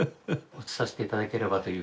写させて頂ければという。